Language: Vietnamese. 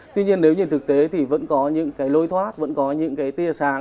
tuy nhiên nếu nhìn thực tế thì vẫn có những cái lối thoát vẫn có những cái tia sáng